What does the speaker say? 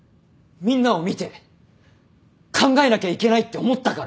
みんなを見て考えなきゃいけないって思ったから。